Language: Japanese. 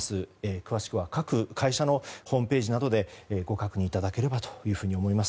詳しくは各会社のホームページなどでご確認いただければというふうに思います。